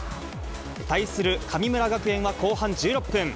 対する神村学園は後半１６分。